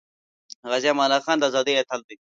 غازی امان الله خان د ازادی اتل دی